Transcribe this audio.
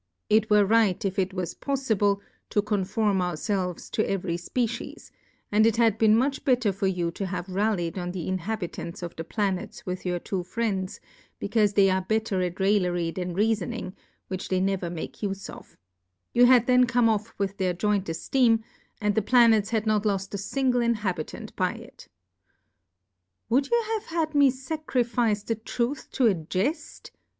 It were right, if it was poffibic, to conform our felves to every Species ; and it had been much better for you to have rallied on the In habitants of the Planets with your two Friends, bccaufe they are better at Rail lery than Reafoning, which they never make Ufe of : You had then come off with their joint Eiteem ; and the Pla nets had not loft a fmgle Inhabitant by it. Would you have had me facrifice the Truth to a Jell